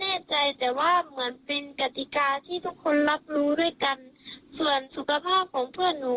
แน่ใจแต่ว่าเหมือนเป็นกติกาที่ทุกคนรับรู้ด้วยกันส่วนสุขภาพของเพื่อนหนู